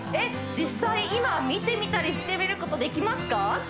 実際今見てみたりしてみることできますか？